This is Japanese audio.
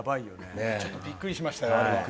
ちょっとびっくりしましたよ。